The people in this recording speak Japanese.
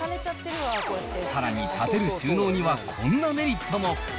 さらに立てる収納にはこんなメリットも。